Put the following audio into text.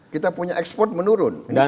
kita punya ekspor menurun